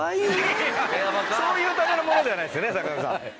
そういうためのものではないですからね坂上さん。